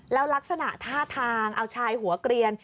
แล้วลักษณะท่าทางเอาชายหัวเกลียน